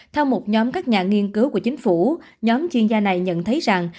theo một nhóm các nhà nghiên cứu của chính phủ nhóm chuyên gia này nhận thấy rằng